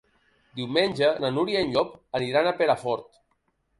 Diumenge na Núria i en Llop aniran a Perafort.